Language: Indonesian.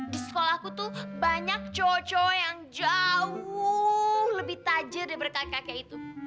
di sekolahku tuh banyak cocok yang jauh lebih tajir daripada kakak kaya itu